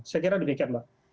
saya kira demikian mbak